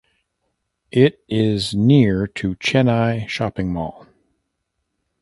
It is near to Chennai Shopping Mall.